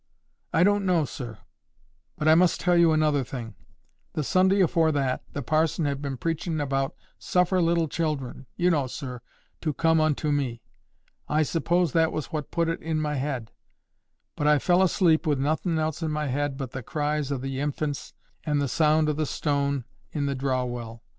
"I don't know, sir. But I must tell you another thing. The Sunday afore that, the parson had been preachin' about 'Suffer little children,' you know, sir, 'to come unto me.' I suppose that was what put it in my head; but I fell asleep wi' nothin' else in my head but the cries o' the infants and the sound o' the ston' in the draw well.